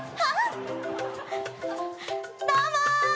どうも！